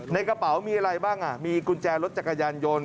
ในกระเป๋ามีอะไรบ้างมีกุญแจรถจักรยานยนต์